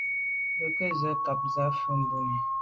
Nkwé ze nkàb zə̄ à fâ’ bû zə̀’nì.